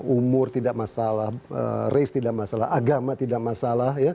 umur tidak masalah race tidak masalah agama tidak masalah